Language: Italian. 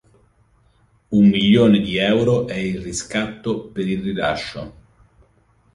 Un milione di euro è il riscatto per il rilascio.